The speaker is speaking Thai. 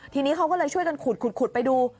ทีนี้เขาก็เลยช่วยกันขุดไปดู